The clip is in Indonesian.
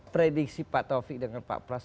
prediksi pak taufik dengan pak pras